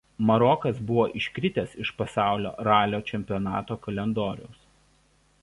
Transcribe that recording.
Marokas buvo iškritęs iš pasaulio ralio čempionato kalendoriaus.